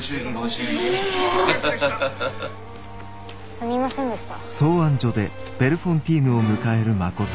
すみませんでした。